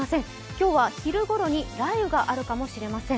今日は昼ごろに雷雨があるかもしれません。